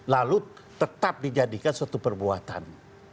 lalu tetap dijadikan suatu perbuatan